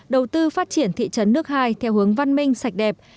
đầu tư phát triển thị trấn nước hai theo hướng văn minh sạch đẹp